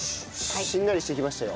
しんなりしてきましたよ。